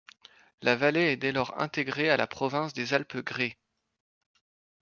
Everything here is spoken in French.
La vallée est dès lors intégrée à la province des Alpes grées.